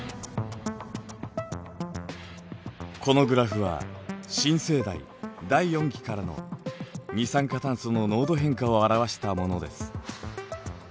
このグラフは新生代第四紀からの二酸化炭素の濃度変化を表したものです。